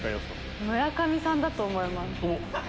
村上さんだと思います。